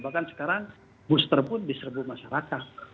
bahkan sekarang booster pun di serbu masyarakat